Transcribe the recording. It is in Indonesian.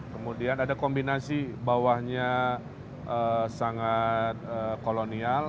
kemudian ada kombinasi bawahnya sangat kolonial